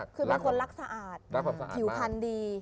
คือเป็นคนรักสะอาดผิวพันธุ์ดี